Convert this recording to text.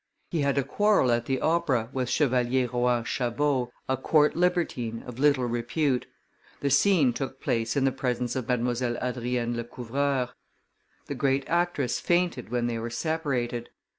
He had a quarrel at the Opera with Chevalier Rohan Chabot, a court libertine, of little repute; the scene took place in the presence of Mdlle. Adrienne Lecouvreur; the great actress fainted they were separated.